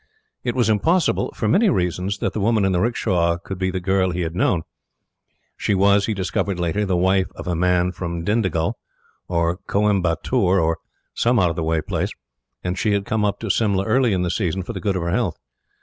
It was impossible, for many reasons, that the woman in the 'rickshaw could be the girl he had known. She was, he discovered later, the wife of a man from Dindigul, or Coimbatore, or some out of the way place, and she had come up to Simla early in the season for the good of her health.